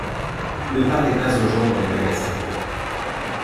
Ne parlez pas aux gens dans les magasins.